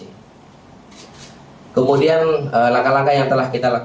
sebagai contoh sebuah rokok elektronik ini yang berisi cairan dan mengandung narkotika jenis kj atau liquid thc